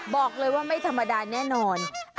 บอกเลยว่าไม่ธรรมดาแน่นอน